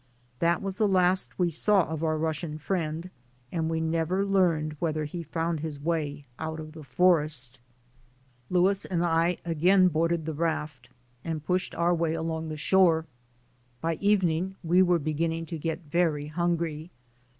That was the last we saw of our Russian friend, and we never learned whether he found his way out of the forest. Louis and I again boarded the raft and pushed our way along the shore. By evening we were be ginning to get very hungry.